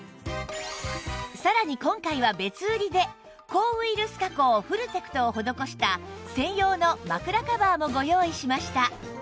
さらに今回は別売りで抗ウイルス加工フルテクトを施した専用の枕カバーもご用意しました